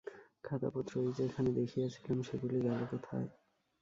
খাতাপত্র এই যে এখানে দেখিয়াছিলাম, সেগুলি গেল কোথায়।